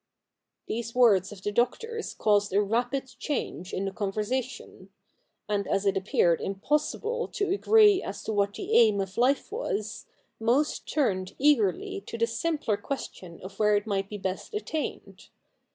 These words of the Doctor's caused a rapid change in the conversation. And as it appeared impossible to agree as to what the aim of life was, most turned eagerly to the simpler question of where it might be best attained.